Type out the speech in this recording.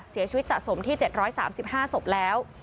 เสียชีวิตสะสมที่๗๓๕ศพแล้ว